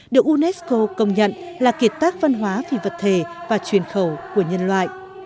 được unesco công nhận là kiệt tác văn hóa phi vật thể và truyền khẩu của nhân loại